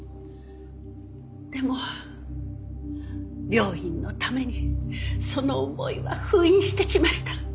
でも病院のためにその思いは封印してきました。